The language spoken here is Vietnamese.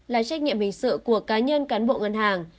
là trách nhiệm hình sự của cá nhân cán bộ ngân hàng